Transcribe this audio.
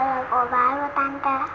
mau nanya lagu baru tante